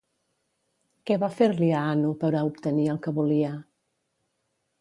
Què va fer-li a Anu per a obtenir el que volia?